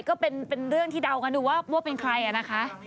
ก็เป็นเรื่องที่เดากันดูว่าเป็นใครนะคะ